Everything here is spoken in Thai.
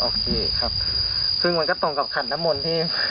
คือมันก็ตรงกับขันน้ำมนที่